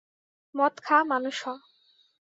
মদ খা, মানুষ হ।